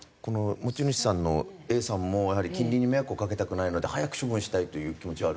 持ち主さんのＡさんもやはり近隣に迷惑をかけたくないので早く処分したいという気持ちはあるんですけども。